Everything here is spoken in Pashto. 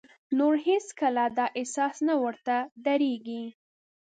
نور هېڅ کله دا احساس نه ورته درېږي.